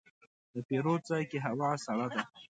د پیرود ځای کې هوا سړه ده.